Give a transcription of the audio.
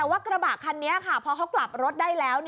ว่ากระบะคันนี้ค่ะพอเขากลับรถได้แล้ว